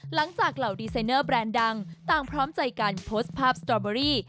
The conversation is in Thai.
หลังจากเหล่าดิซไนน์เนอะแบรนด์ดังตั้งพร้อมใจการโพสภาพสตรอเบอรี่